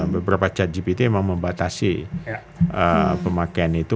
beberapa chat gpt memang membatasi pemakaian itu